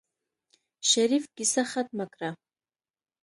شريف کيسه ختمه کړه.